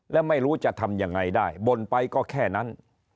และไม่รู้จะทำยังไงได้บ่นไปก็แค่นั้น